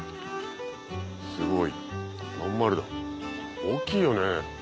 すごい真ん丸だ大きいよね。